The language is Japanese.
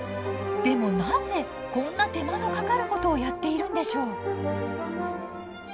でもなぜこんな手間のかかることをやっているんでしょう。